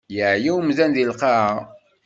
Yeɛya umdan di lqaɛa.